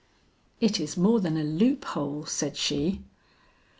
"It is more than a loop hole," said she.